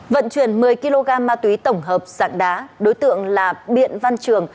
vận chuyển một mươi kg ma túy tổng hợp sạc đá đối tượng là biện văn trường